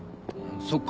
そっか。